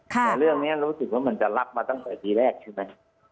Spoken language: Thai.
แต่เรื่องนี้รู้สึกว่ามันจะรับมาตั้งแต่ทีแรกใช่ไหม